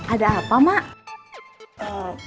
ada apa mak